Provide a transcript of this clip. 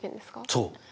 そう。